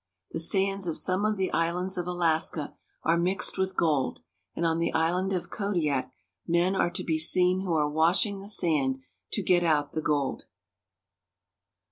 The sands of some of the islands of Alaska are mixed with gold, and on the island of Kadiak men are to be seen who are washing the sand to get out the gold.